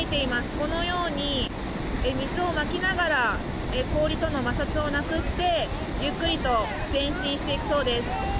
このように、水をまきながら氷との摩擦をなくしてゆっくりと前進していくそうです。